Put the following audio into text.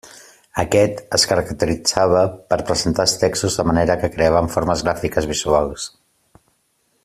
Aquest es caracteritzava per presentar els textos de manera que creaven formes gràfiques visuals.